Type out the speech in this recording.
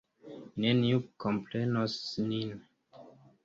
Neniu komprenos nin.